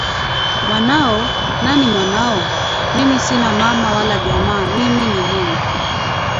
mwanao? Nani mwanao? Mimi sina mama wala jamaa mimi ni mimi